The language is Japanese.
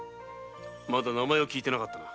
まだ名前を聞いてなかったな。